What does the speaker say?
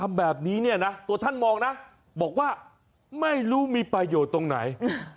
จ้าอาวุาสวรรษแก้วภพฟังใหญ่